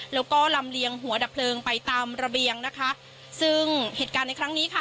แล้วก็ลำเลียงหัวดับเพลิงไปตามระเบียงนะคะซึ่งเหตุการณ์ในครั้งนี้ค่ะ